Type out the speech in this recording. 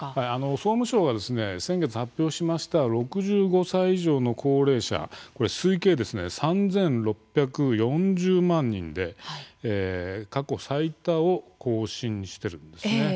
総務省が先月発表しました６５歳以上の高齢者推計３６４０万人で過去最多を更新しているんです。